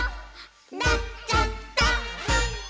「なっちゃった！」